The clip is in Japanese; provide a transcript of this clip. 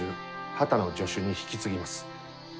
波多野助手に引き継ぎます。